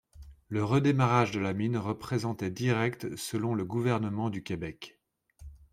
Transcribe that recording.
Le redémarrage de la mine représentait directs selon le gouvernement du Québec.